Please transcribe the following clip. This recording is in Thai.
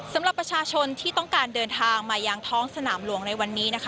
สำหรับประชาชนที่ต้องการเดินทางมายังท้องสนามหลวงในวันนี้นะคะ